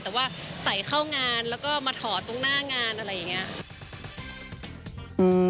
แต่ว่าใส่เข้างานแล้วก็มาถอดตรงหน้างานอะไรอย่างนี้